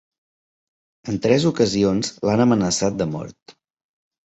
En tres ocasions l'han amenaçat de mort.